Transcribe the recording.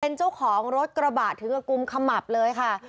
เป็นเจ้าของรถกระบะถึงกับกุมขมับเลยค่ะ